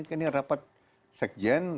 ini rapat sekjen